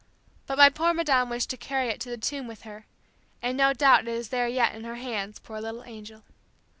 But my poor madame wished to carry it to the tomb with her, and no doubt it is there yet in her hands, poor little angel.